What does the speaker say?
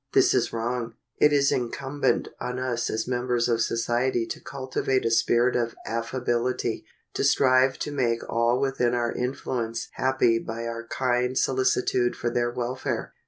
This is wrong. It is incumbent on us as members of society to cultivate a spirit of affability, to strive to make all within our influence happy by our kind solicitude for their welfare.